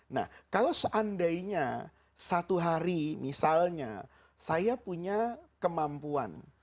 nah kalau seandainya satu hari misalnya saya punya kemampuan